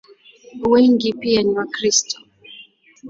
Wengi pia ni Wakristo.